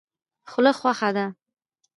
خوله خوښه ده.